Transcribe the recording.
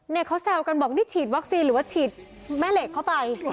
เนี่ยเขาแซวกันบอกนี่ฉีดวัคซีนหรือว่าฉีดแม่เหล็กเข้าไป